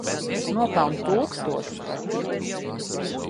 Es nopelnu tūkstošus taču.